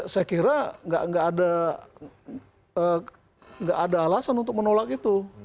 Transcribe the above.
saya kira nggak ada alasan untuk menolak itu